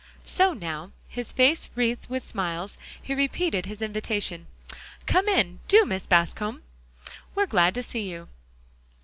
So now, his face wreathed with smiles, he repeated his invitation. "Come in, do, Mrs. Bascom; we're glad to see you."